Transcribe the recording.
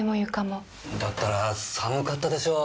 だったら寒かったでしょう。